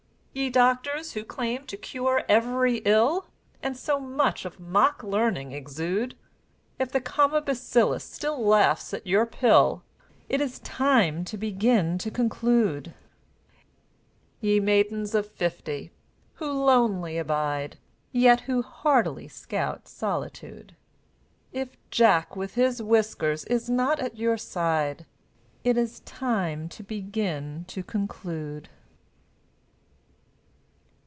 Ye Doctors, who claim to cure every ill, And so much of mock learning exude, If the Comma Bacillus still laughs at your pill, It is time to begin to conclude. Ye Maidens of Fifty, who lonely abide, Yet who heartily scout solitude, If Jack with his whiskers is not at your side, It is time to begin to conclude.